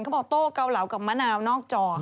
โต้เกาเหลากับมะนาวนอกจอ